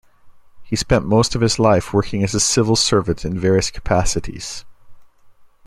He spent most of his life working as a civil servant in various capacities.